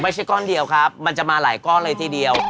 ไม่ใช่ก้อนเดียวครับมันจะมาหลายก้อนเลยทีเดียว